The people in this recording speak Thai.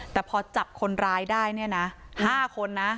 แต่พอจับคนร้ายได้เนี่ยนะ๕คนนะ